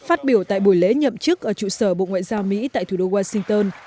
phát biểu tại buổi lễ nhậm chức ở trụ sở bộ ngoại giao mỹ tại thủ đô washington